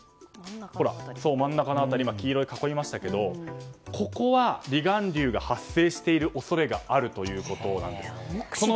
真ん中の辺り黄色く囲っていますがここは離岸流が発生している恐れがあるということなんです。